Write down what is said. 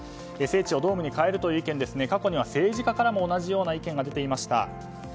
聖地をドームに代えるという意見は過去には政治家からも同じような意見が出ていました。